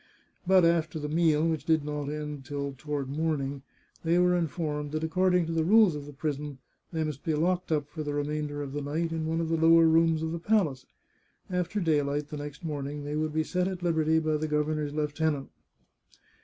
But after the meal, which did not end till toward morning, they were informed that according to the rules of the prison, they must be locked up for the remainder of the night in one of the lower rooms of the palace. After daylight the next morning they would be set at liberty by the gov ernor's lieutenant.